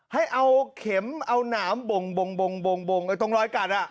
ให้เอาเข็มเอาหนามตรงรอยกัดน่ะ